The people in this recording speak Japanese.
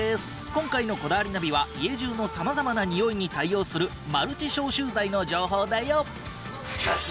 今回の『こだわりナビ』は家中の様々なにおいに対応するマルチ消臭剤の情報だよ。